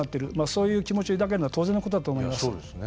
そういう気持ちを抱かれるのは当然のことだと思います。